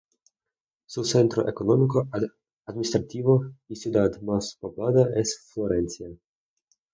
Su centro económico, administrativo y ciudad más poblada es Florencia.